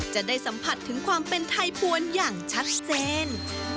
จะได้สัมผัสถึงความเป็นไทยปวนอย่างชัดเจน